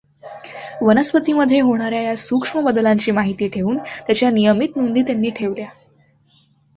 वनस्पतीमध्ये होणार् या सूक्ष्म बदलांची माहिती ठेवून त्याच्या नियमित नोंदी त्यांनी ठेवल्या.